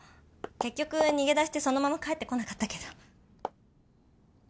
結局逃げ出してそのまま帰ってこなかったけど。